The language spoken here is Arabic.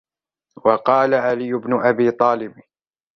وَقَالَ عَلِيُّ بْنُ أَبِي طَالِبٍ